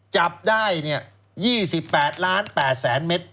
จับได้๒๘ล้าน๘แสนเม็ด